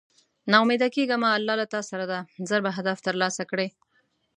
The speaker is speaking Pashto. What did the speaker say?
نا اميده کيږه مه الله له تاسره ده ژر به هدف تر لاسه کړی